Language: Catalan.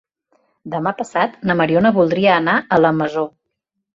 Demà passat na Mariona voldria anar a la Masó.